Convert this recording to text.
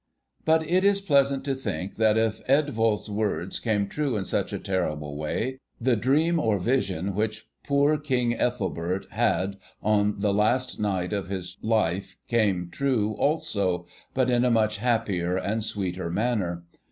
But it is pleasant to think that if Eadwulf's words came true in such a terrible way, the dream or vision which poor King Ethelbert had on the last night of his life came true also, but in a much happier and sweeter manner.